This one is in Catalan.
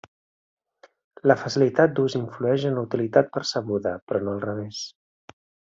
La facilitat d'ús influeix en la utilitat percebuda, però no al revés.